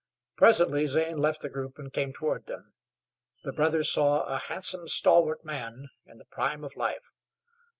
Presently Zane left the group and came toward them. The brothers saw a handsome, stalwart man, in the prime of life.